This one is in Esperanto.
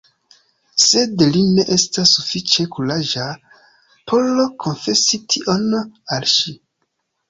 Sed li ne estas sufiĉe kuraĝa por konfesi tion al ŝi.